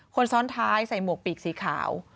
คนซ้อนท้ายใส่หมวกปีกสีขาว